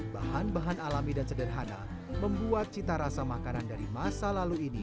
bahan bahan alami dan sederhana membuat cita rasa makanan dari masa lalu ini